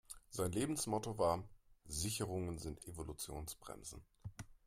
Sein Lebensmotto war: Sicherungen sind Evolutionsbremsen.